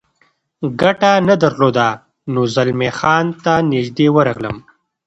ګټه نه درلوده، نو زلمی خان ته نږدې ورغلم.